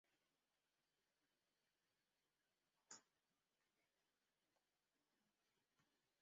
মানুষের উচ্চতা নিয়ে পড়াশোনা হল এনথ্রোপোমেট্রয় বিজ্ঞানের একটি অংশ।